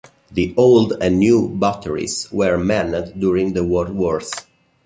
The Old and New Batteries were manned during the World Wars.